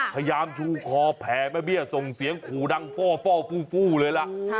ชูคอแผ่แม่เบี้ยส่งเสียงขู่ดังฟ่อฟู่เลยล่ะ